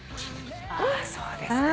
そうですか。